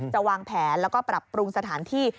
วางแผนแล้วก็ปรับปรุงสถานที่